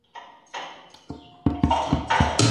صحي خدمتونه د کار ځواک دوام تضمینوي.